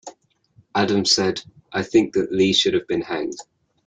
Adams said, I think that Lee should have been hanged.